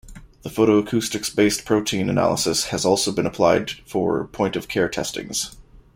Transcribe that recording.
The photoacoustics-based protein analysis has also been applied for point-of-care testings.